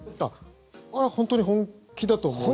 あれは本当に本気だと思います。